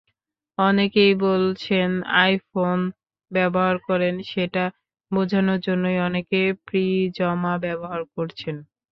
অনেকেই বলছেন, আইফোন ব্যবহার করেন, সেটা বোঝানোর জন্যই অনেকে প্রিজমা ব্যবহার করছেন।